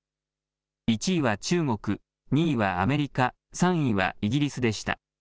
１位は中国、２位はアメリカ、３位はイギリスでした。